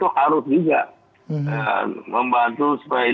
tercegah atau terperantas gitu